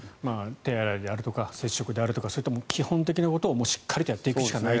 手洗いであるとか接触であるとかそういった基本的なことをしっかりやっていくしかないと。